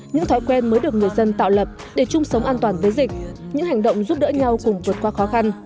những thói quen mới được người dân tạo lập để chung sống an toàn với dịch những hành động giúp đỡ nhau cùng vượt qua khó khăn